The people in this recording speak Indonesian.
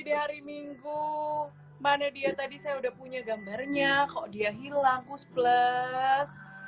di hari minggu mana dia tadi saya udah punya gambarnya kok dia hilang kus plus